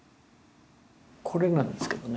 これなんですけどね。